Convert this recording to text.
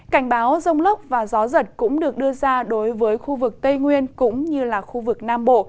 cảnh báo rông lốc và gió giật cũng được đưa ra đối với khu vực tây nguyên cũng như là khu vực nam bộ